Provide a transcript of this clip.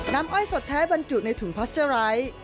น้ำอ้อยสดแท้บรรจุในถุงพอสเจอร์ไลน์